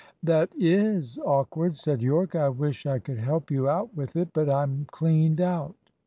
"That is awkward," said Yorke. "I wish I could help you out with it, but I'm cleaned out."